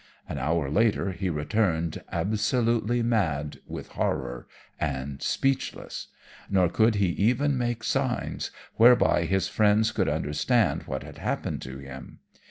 An hour later, he returned absolutely mad with horror, and speechless; nor could he even make signs, whereby his friends could understand what had happened to him.